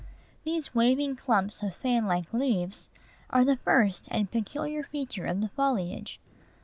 These waving clumps of fan like leaves are the first and peculiar feature of the foliage.